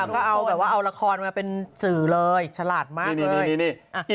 ก็เอาแบบว่าเอาละครมาเป็นสื่อเลยฉลาดมากเลย